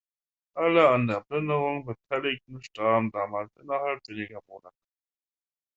Alle an der Plünderung Beteiligten starben damals innerhalb weniger Monate.